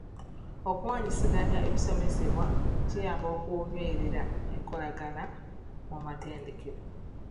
Okuwaanyisiganya ebisomesebwa kiyamba okunywerera enkolagana mu matendekero.